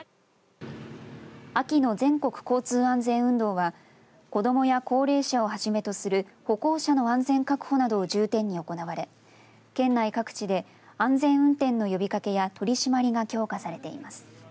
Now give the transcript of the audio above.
秋の全国交通安全運動は子どもや高齢者をはじめとする歩行者の安全確保などを重点に行われ県内各地で安全運転の呼びかけや取り締まりが強化されています。